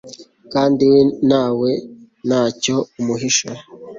kandi nawe ntacyo umuhisha